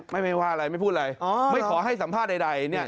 ไม่ไม่ว่าอะไรไม่พูดอะไรไม่ขอให้สัมภาษณ์ใดเนี่ย